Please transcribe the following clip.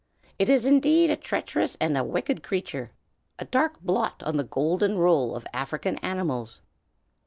It is indeed a treacherous and a wicked creature! a dark blot on the golden roll of African animals."